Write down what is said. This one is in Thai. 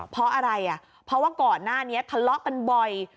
เพราะอะไรอ่ะเพราะว่าก่อนหน้านี้ทะเลาะกันบ่อย